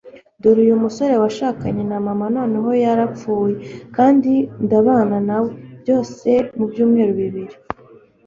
Dore uyu musore washakanye na mama; noneho yarapfuye, kandi ndabana nawe - byose mubyumweru bibiri.